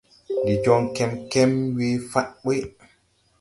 Ndi jɔŋ kɛmkɛm we fa̧ɗ ɓuy.